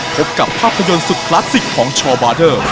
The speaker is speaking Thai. พบกับภาพยนตร์สุดคลาสสิกของชอบาเดอร์